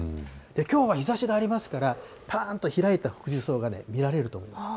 きょうは日ざしがありますから、ぱーんと開いた福寿草が見られると思います。